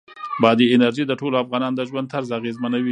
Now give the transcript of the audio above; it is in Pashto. بادي انرژي د ټولو افغانانو د ژوند طرز اغېزمنوي.